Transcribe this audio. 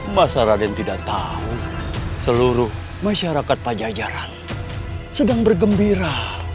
masa raden tidak tahu seluruh masyarakat pajajaran sedang bergembira